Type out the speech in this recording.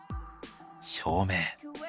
照明。